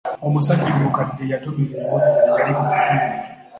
Omusajja omukadde yatomerwa emmotoka eyali ku misinde.